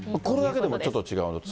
これだけでもちょっと違う。